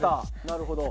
なるほど。